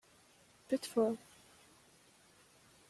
"Pitfall!